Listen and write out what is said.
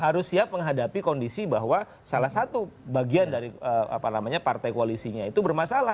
harus siap menghadapi kondisi bahwa salah satu bagian dari partai koalisinya itu bermasalah